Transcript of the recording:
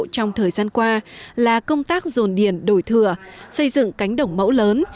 trong thời gian qua là công tác dồn điền đổi thừa xây dựng cánh đồng mẫu lớn